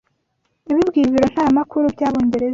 yabibwiye ibiro ntaramakuru by’Abongereza